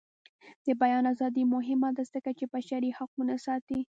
د بیان ازادي مهمه ده ځکه چې بشري حقونه ساتي.